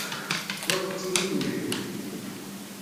Ur tettili tewjed.